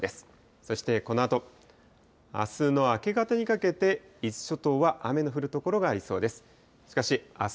そしてこのあと、あすの明け方にかけて、伊豆諸島は雨の降る所がありそうです。